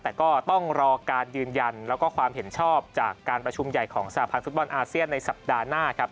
แต่ก็ต้องรอการยืนยันแล้วก็ความเห็นชอบจากการประชุมใหญ่ของสหพันธ์ฟุตบอลอาเซียนในสัปดาห์หน้าครับ